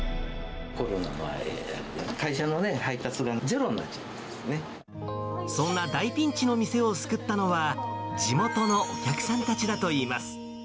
コロナのせいで、会社の配達そんな大ピンチの店を救ったのは、地元のお客さんたちだといいます。